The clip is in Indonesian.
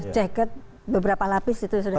ceket beberapa lapis itu sudah